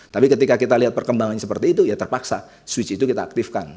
tapi ketika kita lihat perkembangan seperti itu ya terpaksa switch itu kita aktifkan